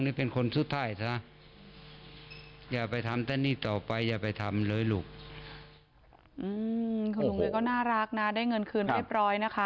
คุณลุงเลยก็น่ารักนะได้เงินคืนเรียบร้อยนะคะ